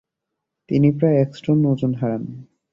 তিনি প্রায় এক স্টোন ওজন হারান।